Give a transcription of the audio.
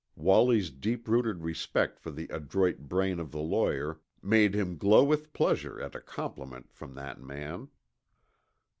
Wallie's deep rooted respect for the adroit brain of the lawyer made him glow with pleasure at a compliment from that man.